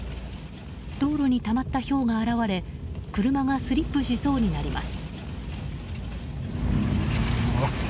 道路にたまったひょうが現れ車がスリップしそうになります。